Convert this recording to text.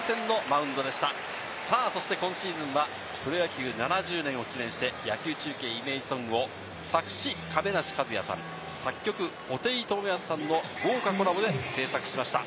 そして今シーズン、プロ野球中継７０年を記念して、野球中継イメージソングを作詞・亀梨和也さん、作曲・布袋寅泰さんの豪華コラボで制作しました。